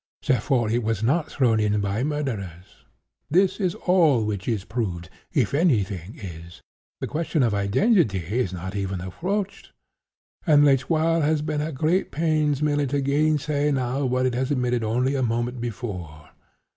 Therefore it was not thrown in by murderers. This is all which is proved, if any thing is. The question of identity is not even approached, and L'Etoile has been at great pains merely to gainsay now what it has admitted only a moment before.